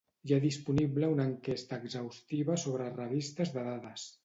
Hi ha disponible una enquesta exhaustiva sobre revistes de dades.